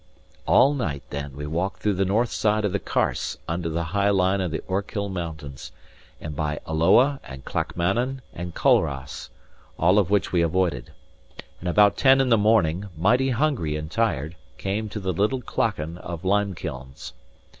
All night, then, we walked through the north side of the Carse under the high line of the Ochil mountains; and by Alloa and Clackmannan and Culross, all of which we avoided: and about ten in the morning, mighty hungry and tired, came to the little clachan of Limekilns.